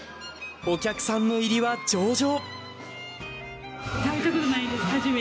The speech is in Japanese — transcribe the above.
お客さんの入りは上々！